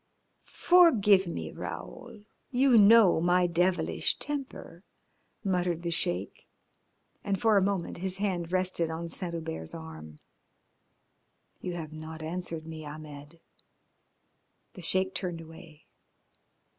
"Forgive me, Raoul. You know my devilish temper," muttered the Sheik, and for a moment his hand rested on Saint Hubert's arm. "You have not answered me, Ahmed." The Sheik turned away.